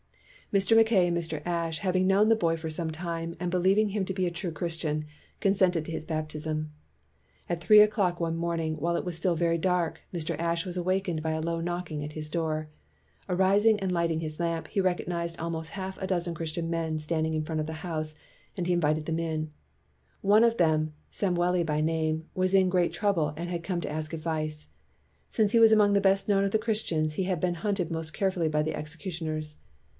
Mr. Mackay and Mr. Ashe, having known the boy for some time and believing him to be a true Christian, consented to his bap tism. At three o'clock one morning, while it was still very dark, Mr. Ashe was awakened by a low knocking at his door. Arising and lighting his lamp, he recognized almost half a dozen Christian men standing in front of the house, and he invited them in. One of them, Samweli by name, was in great trou ble and had come to ask advice. Since he was among the best known of the Chris tians, he had been hunted most carefully by the executioners.